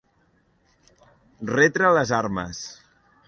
Retre les armes.